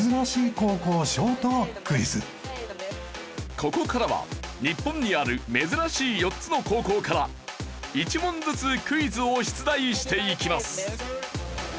ここからは日本にある珍しい４つの高校から１問ずつクイズを出題していきます。